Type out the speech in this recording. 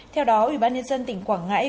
theo đó ubnd tỉnh quảng ngãi